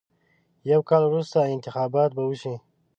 یو کال وروسته انتخابات به وشي.